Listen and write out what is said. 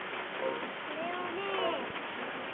これをね